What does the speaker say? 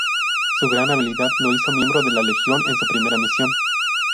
Su gran habilidad la hizo miembro de la Legión en su primera misión.